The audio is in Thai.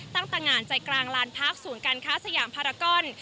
ตั้งแต่งานใจกลางลานพาร์คศูนย์การค้าสยามพารากอน